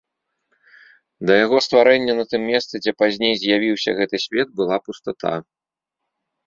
Да яго стварэння на тым месцы, дзе пазней з'явіўся гэты свет, была пустата.